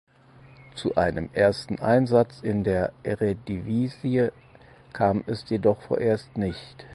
Zu einem ersten Einsatz in der Eredivisie kam es jedoch vorerst nicht.